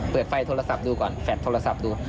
เปิดไฟโทรศัพท์ดูก่อนแฟลตโทรศัพท์ดู